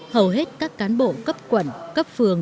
hầu hết các cán bộ cấp quận cấp phường